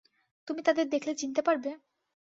তুমি তাদের দেখলে চিনতে পারবে?